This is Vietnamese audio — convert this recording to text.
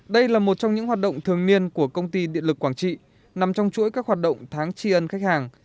đây là một trong những hoạt động thường niên của công ty điện lực quảng trị nằm trong chuỗi các hoạt động tháng tri ân khách hàng